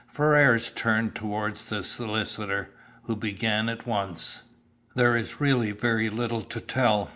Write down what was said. Ferrars turned toward the solicitor, who began at once. "There is really very little to tell.